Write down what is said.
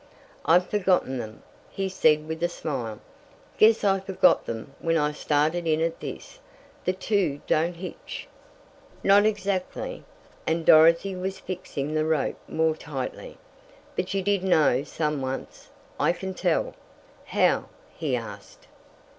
"I've forgotten them," he said with a smile. "Guess I forgot them when I started in at this the two don't hitch." "Not exactly," and Dorothy was fixing the rope more tightly. "But you did know some once. I can tell." "How?" he asked.